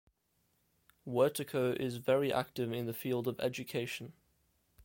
Wertico is very active in the field of education.